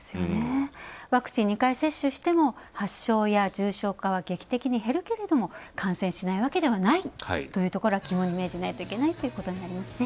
ワクチン２回接種しても発症や重症化は劇的に減るけれども感染しないわけではないということを肝に銘じないといけないということになりますね。